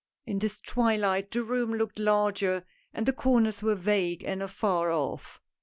In this twilight the room looked larger and the corners were vague and afar off.